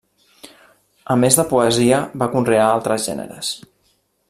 A més de poesia va conrear altres gèneres.